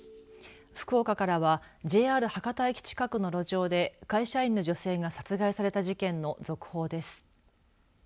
福岡からはＪＲ博多駅近くの路上で会社員の女性が殺害された事件の続報です。